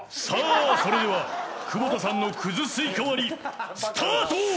さあそれでは久保田さんのクズスイカ割りスタート！